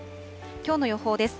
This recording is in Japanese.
きょうの予報です。